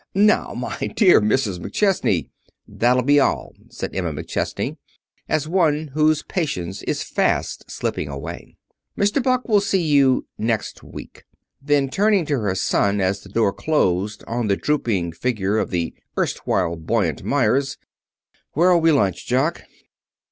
"Now, my dear Mrs. McChesney " "That'll be all," said Emma McChesney, as one whose patience is fast slipping away. "Mr. Buck will see you next week." Then, turning to her son as the door closed on the drooping figure of the erstwhile buoyant Meyers, "Where'll we lunch, Jock?"